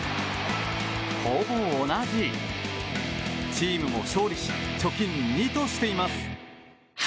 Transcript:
チームも勝利し貯金２としています。